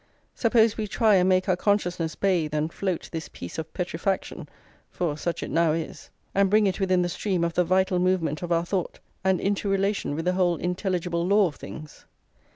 Suppose we try and make our consciousness bathe and float this piece of petrifaction, for such it now is, and bring it within the stream of the vital movement of our thought, and into relation with the whole intelligible law of things.